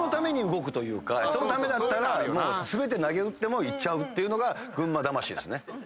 人のためだったら全てなげうっても行っちゃうのが群馬魂ですね。